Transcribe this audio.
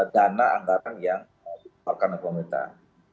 dana anggaran yang dikeluarkan oleh pemerintah